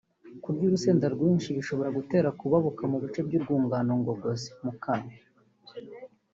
Kurya urusenda rwinshi bishobora gutera kubabuka mu bice by’urwungano ngogozi (mu kanwa